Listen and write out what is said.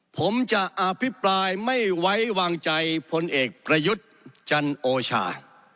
ผมจะอภิปรายไม่ไว้วางใจพลเอกประยุทธ์จันโอชา